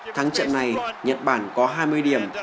thắng trận này nhật bản có hai mươi điểm